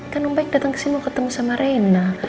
kan om baik datang ke sini ketemu sama reina